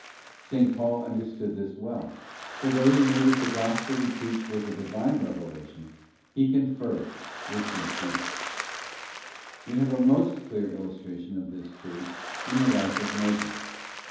S. Paul understood this well, for though he knew that the Gospel he preached was a Divine revelation, he 'conferred' with S. Peter. We have a most clear illustration of this truth in the life of Moses.